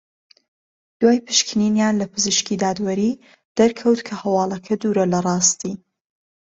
دوای پشکنینیان لە پزیشکی دادوەری دەرکەوت کە هەواڵەکە دوورە لە راستی